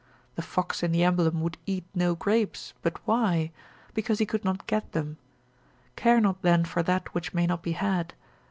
The fox in the emblem would eat no grapes, but why? because he could not get them; care not then for that which may not be had.